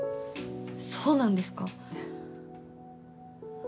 そうなんですか？